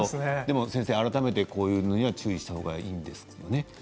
先生、改めてこういうものには注意した方がいいんですね。